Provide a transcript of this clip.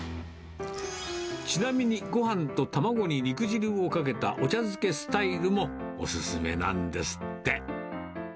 ちなみにごはんと卵に肉じるをかけたお茶漬けスタイルもお勧めなんですって。